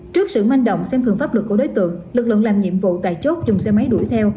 trước sự manh động xem thường pháp luật của đối tượng lực lượng làm nhiệm vụ tại chốt dùng xe máy đuổi theo